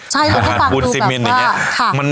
ใช่เราก็ฟังดูแบบว่า